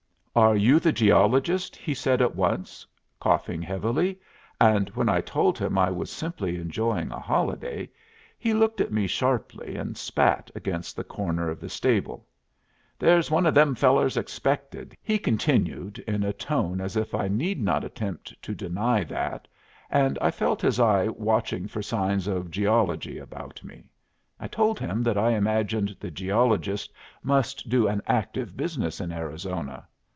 "Are you the geologist?" he said at once, coughing heavily; and when I told him I was simply enjoying a holiday, he looked at me sharply and spat against the corner of the stable. "There's one of them fellers expected," he continued, in a tone as if I need not attempt to deny that, and I felt his eye watching for signs of geology about me. I told him that I imagined the geologist must do an active business in Arizona.